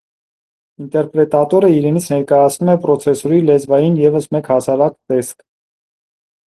Ինտերպրետատորը իրենից ներկայացնւմ է պրեցեսսորի լեզվային ևս մեկ հասարակ տեսք։